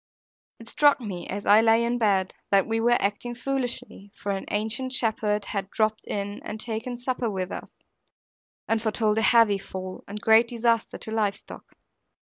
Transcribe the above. It struck me, as I lay in bed, that we were acting foolishly; for an ancient shepherd had dropped in and taken supper with us, and foretold a heavy fall and great disaster to live stock.